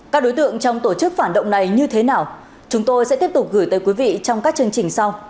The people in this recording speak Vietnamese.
các đối tượng trong tổ chức phản động này như thế nào chúng tôi sẽ tiếp tục gửi tới quý vị trong các chương trình sau